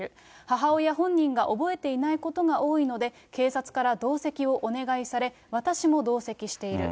母親本人が覚えていないことが多いので、警察から同席をお願いされ、私も同席している。